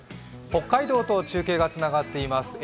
北海道と中継がつながっています。